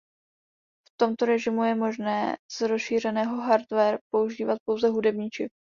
V tomto režimu je možné z rozšířeného hardware používat pouze hudební čip.